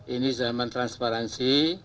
ini zaman transparansi